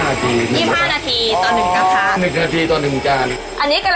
อันนี้กำลังจะทำไก่กระเทียมก่อน